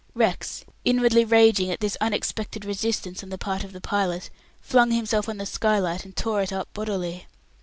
Rex, inwardly raging at this unexpected resistance on the part of the pilot, flung himself on the skylight, and tore it up bodily.